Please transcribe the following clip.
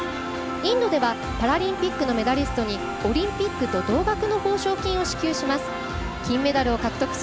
インドではパラリンピックのメダリストにオリンピックと同額の報奨金を支給します。